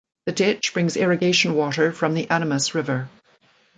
The ditch brings irrigation water from the Animas River.